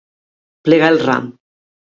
Plegar el ram.